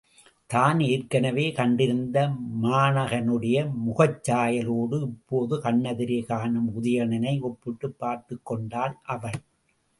தான் ஏற்கெனவே கண்டிருந்த மாணகனுடைய முகச்சாயலோடு இப்போது கண்ணெதிரே காணும் உதயணனை ஒப்பிட்டுப் பார்த்துக் கொண்டாள் அவள்.